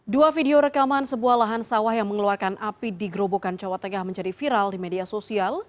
dua video rekaman sebuah lahan sawah yang mengeluarkan api di gerobokan jawa tengah menjadi viral di media sosial